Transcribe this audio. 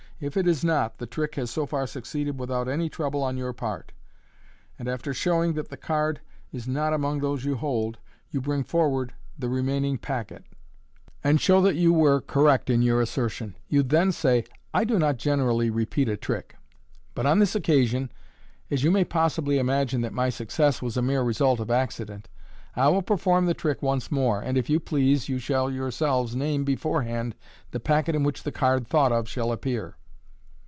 If it is not, the trick has so far succeeded without any trouble on your part $ and, after showing that the card is not among those you hold, you bring forward the remaining packet, and show that you were correct in your assertion. You then say, u I do not generally repeat a trick, but on this occasion, as you may possibly imagine that my success was a mere result of accident, I will perform the trick once more, and, if you please, you shall your selves name beforehand the packet in which the card thought of shall appear."